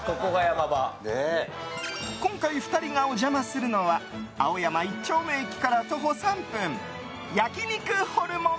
今回２人がお邪魔するのは青山一丁目駅から徒歩３分焼肉ホルモン